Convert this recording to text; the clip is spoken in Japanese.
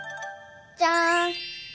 じゃん！